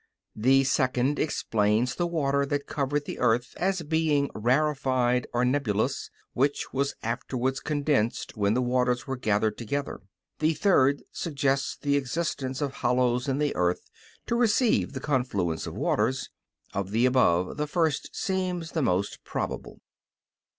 The second explains the water that covered the earth as being rarefied or nebulous, which was afterwards condensed when the waters were gathered together. The third suggests the existence of hollows in the earth, to receive the confluence of waters. Of the above the first seems the most probable.